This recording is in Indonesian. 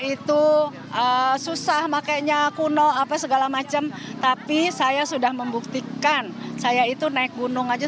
itu susah makanya kuno apa segala macam tapi saya sudah membuktikan saya itu naik gunung aja